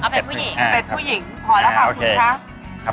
พอแล้วค่ะ